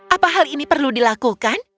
apa hal ini perlu dilakukan